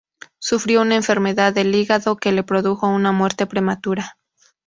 Sufrió una enfermedad del hígado que le produjo una muerte prematura.